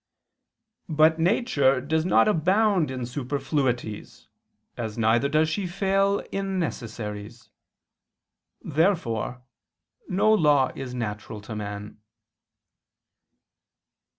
But nature does not abound in superfluities as neither does she fail in necessaries. Therefore no law is natural to man.